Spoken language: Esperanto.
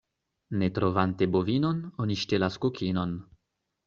Ne trovante bovinon, oni ŝtelas kokinon.